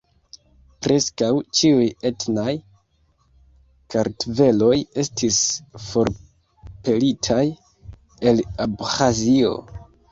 Preskaŭ ĉiuj etnaj kartveloj estis forpelitaj el Abĥazio.